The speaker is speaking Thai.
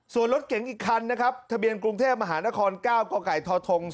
ส่วนรถเก๋งอีกคันนะครับทะเบียนกรุงเทพมหานคร๙กกทท